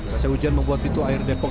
rasa hujan membuat pintu air depok